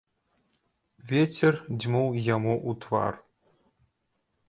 Вецер дзьмуў яму ў твар.